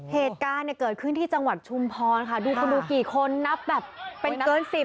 เหตุการณ์เนี่ยเกิดขึ้นที่จังหวัดชุมพรค่ะดูคุณดูกี่คนนับแบบเป็นเกินสิบ